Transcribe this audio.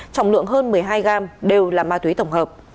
trọng lượng hơn một mươi hai gam đều là ma túy tổng hợp